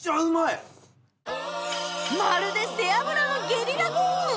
まるで背脂のゲリラ豪雨！